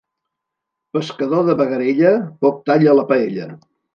Pescador de bagarella, poc tall a la paella.